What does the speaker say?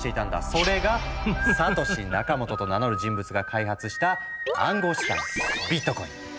それがサトシ・ナカモトと名乗る人物が開発した暗号資産ビットコイン。